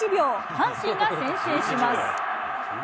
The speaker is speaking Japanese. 阪神が先制します。